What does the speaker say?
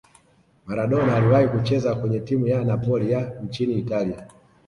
maradona aliwahi kucheza kwenye timu ya napoli ya nchini italia